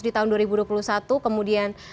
di tahun dua ribu dua puluh satu kemudian